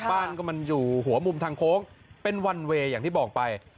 บ้านก็มันอยู่หัวมุมทางโค้งเป็นวันเวย์อย่างที่บอกไป